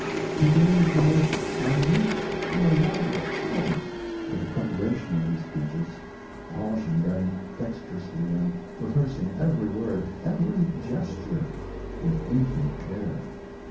He gave the most minute and elaborate study to the preparation of his speeches polishing them dexterously and rehearsing every word, every gesture, with infinite care.